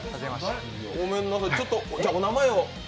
ごめんなさい、じゃあお名前を。